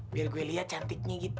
biar gue liat cantiknya gitu